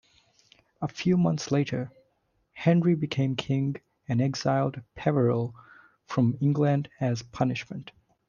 A few months later Henry became king and exiled Peverel from England as punishment.